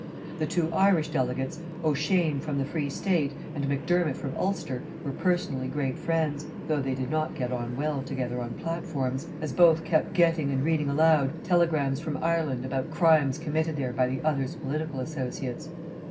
The two Irish delegates, O'Shane from the Free State and Macdermott from Ulster, were personally great friends, though they did not get on well together on platforms, as both kept getting and reading aloud telegrams from Ireland about crimes committed there by the other's political associates.